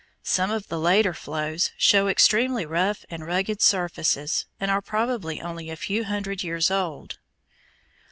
Some of the later flows show extremely rough and rugged surfaces and are probably only a few hundred years old.